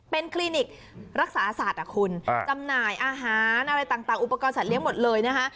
เป็นคลีนิครักษาอาศาสตร์อ่ะคุณจำหน่ายอาหารอะไรต่างต่างอุปกรณ์สัตว์เลี้ยงหมดเลยนะคะ